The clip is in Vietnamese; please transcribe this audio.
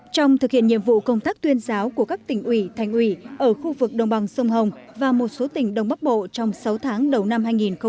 trong thực hiện nhiệm vụ công tác tuyên giáo của các tỉnh ủy thành ủy ở khu vực đồng bằng sông hồng và một số tỉnh đông bắc bộ trong sáu tháng đầu năm hai nghìn hai mươi